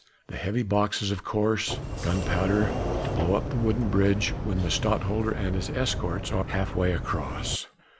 The heavy boxes of course gunpowder ... to blow up the wooden bridge when the Stadtholder and his escort are half way across!